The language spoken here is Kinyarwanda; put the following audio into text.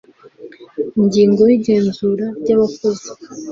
ingingo yigenzura ryabakozi